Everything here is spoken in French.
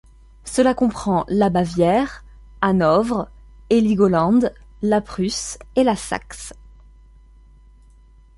Cela comprend la Bavière, Hanovre, Heligoland, la Prusse et la Saxe.